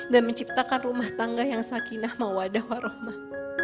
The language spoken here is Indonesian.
dan menciptakan rumah tangga yang sakinah mawadah warohmat